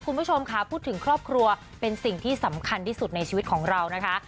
คุณผู้ชมค่ะพูดถึงครอบครัวเป็นสิ่งที่สำคัญที่สุดในชีวิตของเรานะคะ